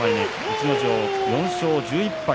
逸ノ城、４勝１１敗